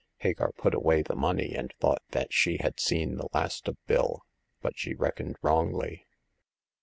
Hagar put away the money, and thought that she had seen the last of Bill ; but she reckoned wrongly.